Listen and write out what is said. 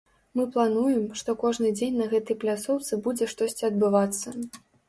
Мы плануем, што кожны дзень на гэтай пляцоўцы будзе штосьці адбывацца.